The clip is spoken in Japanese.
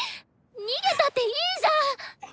逃げたっていいじゃん！